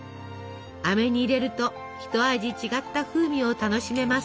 あめに入れると一味違った風味を楽しめます。